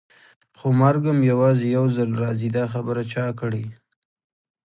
خو مرګ هم یوازې یو ځل راځي، دا خبره چا کړې؟